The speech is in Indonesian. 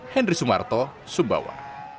henry sumarto sumbawa